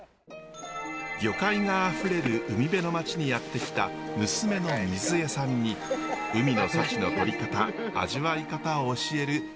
魚介があふれる海辺の町にやって来た娘の瑞恵さんに海の幸のとり方味わい方を教える母の愛子さん。